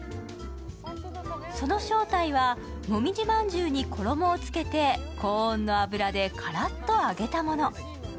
その正体は、もみじ饅頭に衣をつけて高温の油でからっと揚げたもの。